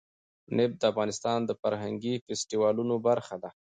نفت د افغانستان د فرهنګي فستیوالونو برخه ده.